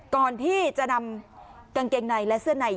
ก่อนที่จะนำกางเกงในและเสื้อใน